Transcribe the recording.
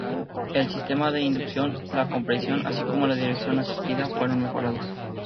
El sistema de inducción, la compresión, así como la dirección asistida fueron mejorados.